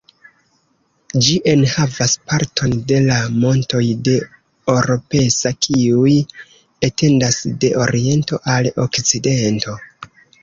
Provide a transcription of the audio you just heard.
Ĝi enhavas parton de la montoj de Oropesa kiuj etendas de oriento al okcidento.